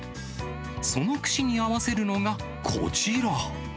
その串に合わせるのがこちら。